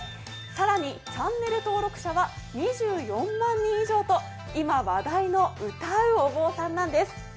更に、チャンネル登録者は２４万人以上と今話題の歌うお坊さんなんです。